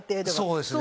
そうですね。